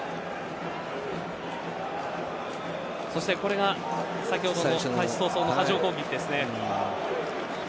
そして、これが開始早々の波状攻撃ですね。